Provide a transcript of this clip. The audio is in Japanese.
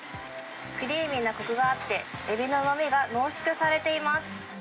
クリーミーなこくがあって、エビのうまみが濃縮されています。